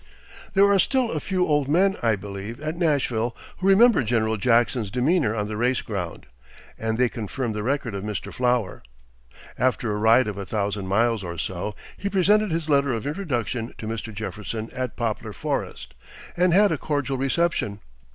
There are still a few old men, I believe, at Nashville who remember General Jackson's demeanor on the race ground, and they confirm the record of Mr. Flower. After a ride of a thousand miles or so, he presented his letter of introduction to Mr. Jefferson at Poplar Forest, and had a cordial reception.